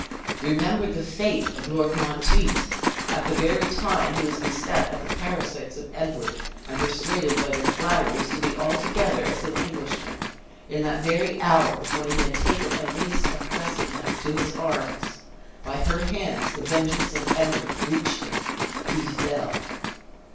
Remember the fate of Lord Monteith! At the very time he was beset by the parasites of Edward, and persuaded by their flatteries to be altogether as an Englishman, in that very hour, when he had taken a niece of Cressingham's to his arms, by her hands the vengeance of Edward reached him he fell!"